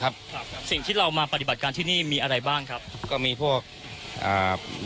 ครับครับสิ่งที่เรามาปฏิบัติการที่นี่มีอะไรบ้างครับก็มีพวกอ่า